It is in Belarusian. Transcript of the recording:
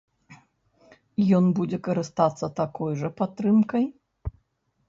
Ён будзе карыстацца такой жа падтрымкай?